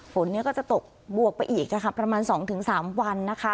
ฝนนี้ก็จะตกบวกไปอีกนะคะประมาณสองถึงสามวันนะคะ